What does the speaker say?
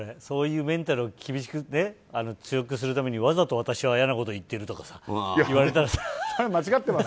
そういうメンタルを強くするためにわざと私は嫌なことを言っているとか言われたらさ。